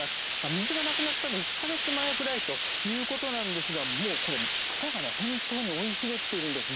水がなくなったのは１か月前くらいということなんですがもうこれ、草が本当に生い茂っているんです。